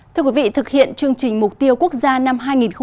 thưa quý vị thực hiện chương trình mục tiêu quốc gia năm hai nghìn hai mươi